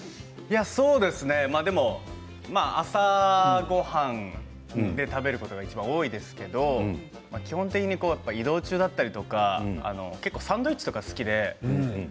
そうですね、でも朝ごはんで食べることがいちばん多いんですけれど基本的に移動中だったりとか結構サンドイッチとか好きで。